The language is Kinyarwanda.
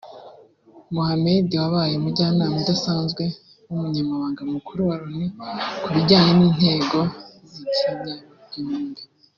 Mohammed wabaye Umujyanama udasanzwe w’Umunyamabanga Mukuru wa Loni ku bijyanye n’intego z’ikinyagihumbi